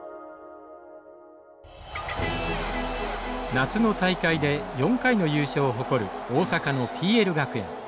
夏の大会で４回の優勝を誇る大阪のＰＬ学園。